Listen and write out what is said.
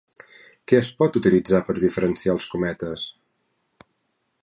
Què es pot utilitzar per diferenciar els cometes?